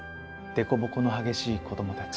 凸凹の激しい子どもたち。